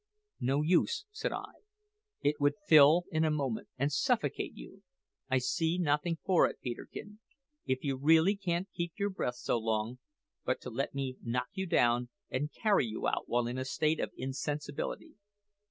"`No use,' said I; `it would fill in a moment and suffocate you. I see nothing for it, Peterkin, if you really can't keep your breath so long, but to let me knock you down, and carry you out while in a state of insensibility.'